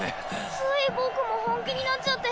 つい僕も本気になっちゃって。